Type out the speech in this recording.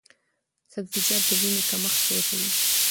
سبزیجات د وینې کمښت پوره کوي۔